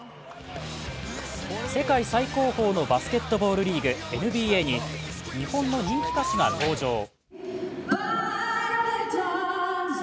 世界最高峰のバスケットボールリーグＮＢＡに日本の人気歌手が登場。